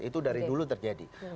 itu dari dulu terjadi